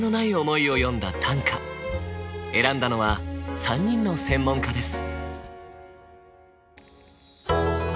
選んだのは３人の専門家です。